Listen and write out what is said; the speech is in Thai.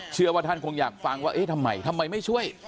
เชื่อว่าท่านคงอยากฟังว่าทำไมไม่ช่วย